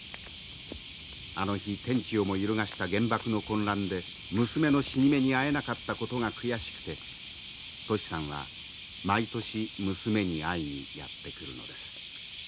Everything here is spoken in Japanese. あの日天地をも揺るがした原爆の混乱で娘の死に目に会えなかったことが悔しくてトシさんは毎年娘に会いにやって来るのです。